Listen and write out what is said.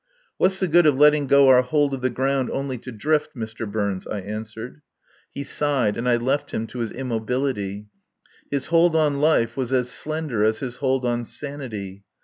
"What's the good of letting go our hold of the ground only to drift, Mr. Burns?" I answered. He sighed and I left him to his immobility. His hold on life was as slender as his hold on sanity.